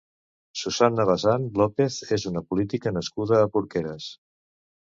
Susanna Bazán López és una política nascuda a Porqueres.